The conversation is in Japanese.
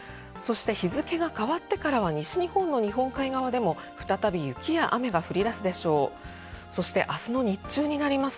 日付が変わってからは西日本の日本海側でも再び雪や雨となりそうです。